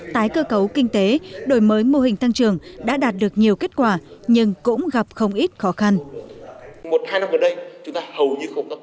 tái cơ cấu kinh tế đổi mới mô hình tăng trưởng đã đạt được nhiều kết quả nhưng cũng gặp không ít khó khăn